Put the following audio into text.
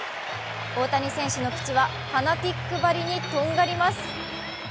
大谷選手の口はファナティックばりにとんがります。